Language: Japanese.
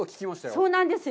そうなんですよ。